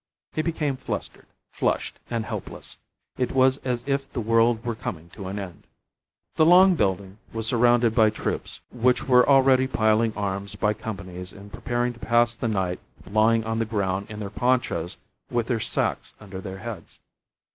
He became flustered, flushed, and helpless. It was as if the world were coming to an end. The long building was surrounded by troops, which were already piling arms by companies and preparing to pass the night lying on the ground in their ponchos with their sacks under their heads.